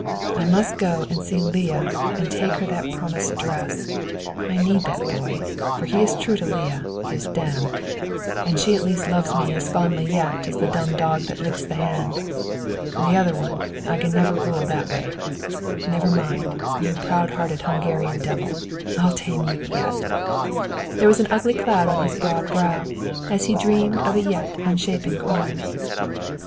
I must go and see Leah and take her that promised dress. I need that boy, for he is true to Leah, his dam, and she at least loves me as fondly yet as the dumb dog that licks the hand. The other one, I can never rule that way. Never mind, you proud hearted Hungarian devil, I'll tame you yet." There was an ugly cloud on his broad brow as he dreamed of a yet unshapen crime.